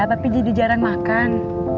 tapi jadi jarang makan